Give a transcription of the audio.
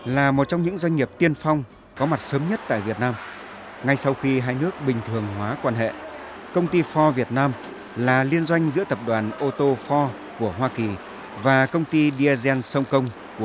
là một trong những doanh nghiệp tiên phong có mặt sớm nhất tại việt nam ngay sau khi hai nước bình thường hóa quan hệ công ty ford việt nam là liên doanh giữa tập đoàn ô tô ford của hoa kỳ và công ty d i c